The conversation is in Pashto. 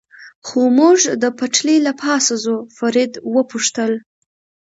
خو موږ د پټلۍ له پاسه ځو، فرید و پوښتل.